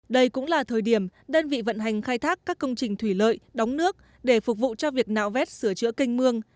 đây cũng là thời điểm đơn vị vận hành khai thác các công trình thủy lợi đóng nước để phục vụ cho việc nạo vét sửa chữa canh mương